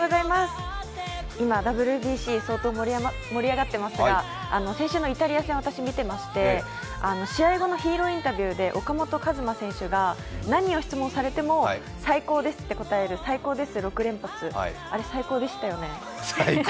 今、ＷＢＣ、相当盛り上がっていますが、先週のイタリア戦、私、見てまして試合後のヒーローインタビューで岡本和真選手が何を質問されても「最高です」って答える「最高です」の６連発あれ、最高でしたよね。